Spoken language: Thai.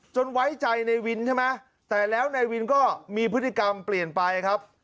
ไว้ใจในวินใช่ไหมแต่แล้วนายวินก็มีพฤติกรรมเปลี่ยนไปครับ